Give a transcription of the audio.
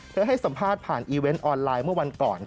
ให้สัมภาษณ์ผ่านอีเวนต์ออนไลน์เมื่อวันก่อน